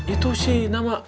itu sih nama